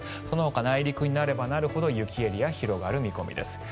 そのほか内陸になればなるほど雪エリア広がる見込みです。